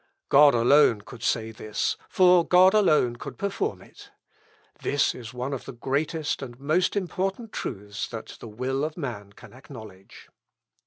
God alone could say this; for God alone could perform it. This is one of the greatest and most important truths that the will of man can acknowledge.